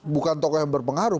bukan tokoh yang berpengaruh